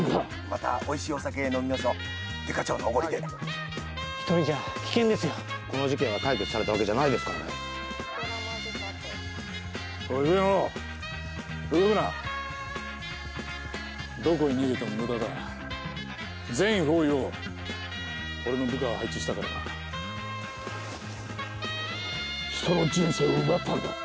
またおいしいお酒飲みましょうデカ長のおごりで・１人じゃ危険ですよ・この事件は解決されたわけじゃないですからねおいウエノ動くなどこに逃げてもムダだ全方位を俺の部下が配置したからな人の人生を奪ったんだ